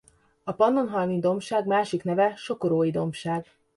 A Pannonhalmi-dombság másik neve Sokorói-dombság.